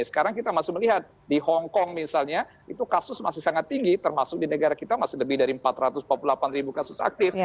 sekarang kita masih melihat di hongkong misalnya itu kasus masih sangat tinggi termasuk di negara kita masih lebih dari empat ratus empat puluh delapan ribu kasus aktif